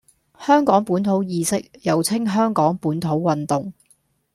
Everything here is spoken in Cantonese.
香港本土意識，又稱香港本土運動